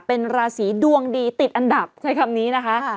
เป็นราศีดวงดีติดอันดับใช้คำนี้นะคะ